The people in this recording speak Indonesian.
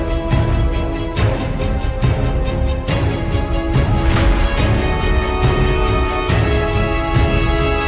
kamu ngapain disini